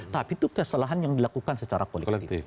tapi itu kesalahan yang dilakukan secara kolektif